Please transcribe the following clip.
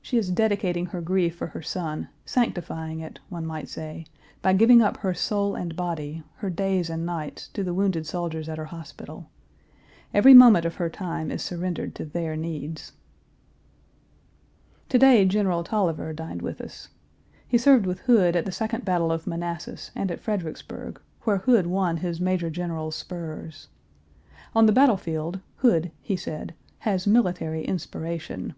She is dedicating her grief for her son, sanctifying it, one might say, by giving up her soul and body, her days and nights, to the wounded soldiers at her hospital. Every moment of her time is surrendered to their needs. To day General Taliaferro dined with us. He served with Hood at the second battle of Manassas and at Fredericksburg, where Hood won his major general's spurs. On the battle field, Hood, he said, "has military inspiration."